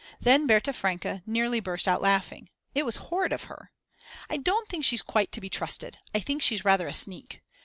Then Berta Franke nearly burst out laughing, it was horrid of her; I don't think she's quite to be trusted; I think she's rather a sneak.